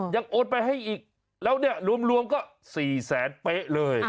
โอนไปให้อีกแล้วเนี่ยรวมก็๔แสนเป๊ะเลย